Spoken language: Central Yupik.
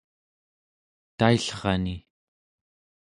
taillrani